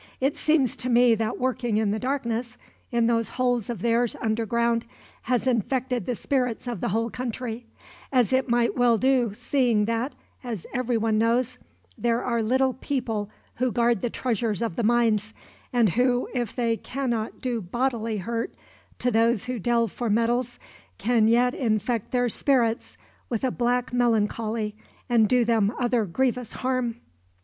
It seems to me that working in the darkness in those holes of theirs, underground has infected the spirits of the whole county; as it might well do, seeing that, as everyone knows, there are little people who guard the treasures of the mines; and who, if they cannot do bodily hurt to those who delve for metals, can yet infect their spirits with a black melancholy, and do them other grievous harm.